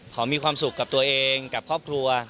ขอมีความสุขกับตัวเองกับครอบครัว